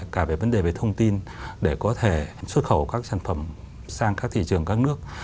cả về vấn đề về thông tin để có thể xuất khẩu các sản phẩm sang các thị trường các nước